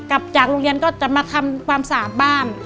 กลับจากโรงเรียนก็จะมาทำความสะอาดบ้าน